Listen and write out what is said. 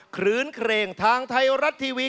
คืนเครงทางไทยรัฐทีวี